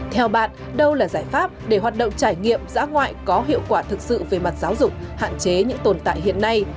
theo bạn đâu là giải pháp để hoạt động trải nghiệm giã ngoại có hiệu quả thực sự về mặt giáo dục hạn chế những tồn tại hiện nay